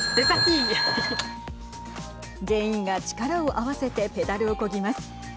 全員が力を合わせてペダルをこぎます。